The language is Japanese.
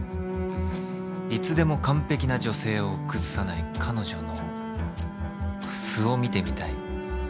いつでも完璧な女性を崩さない彼女の素を見てみたい。